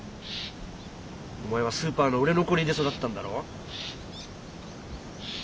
お前はスーパーの売れ残りで育ったんだろ？